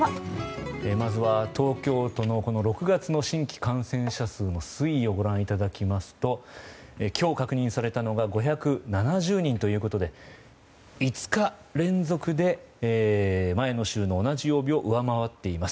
まずは、東京都の６月の新規感染者数の推移をご覧いただきますと今日確認されたのが５７０人ということで５日連続で前の週の同じ曜日を上回っています。